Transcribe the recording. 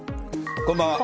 こんばんは。